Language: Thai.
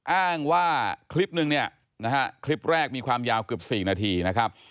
อ้างว่าคลิปนึงเนี่ยนะฮะคลิปแรกมีความยาวเกือบ๔นาทีนะครับ